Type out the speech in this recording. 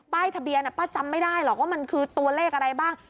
ทะเบียนป้าจำไม่ได้หรอกว่ามันคือตัวเลขอะไรบ้าง